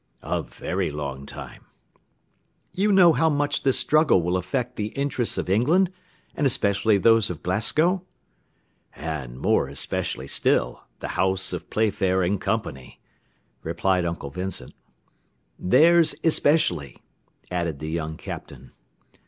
"A very long time." "You know how much this struggle will affect the interests of England, and especially those of Glasgow?" "And more especially still the house of Playfair & Co.," replied Uncle Vincent. "Theirs especially," added the young Captain.